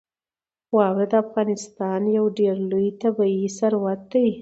واوره د افغانستان یو ډېر لوی طبعي ثروت دی.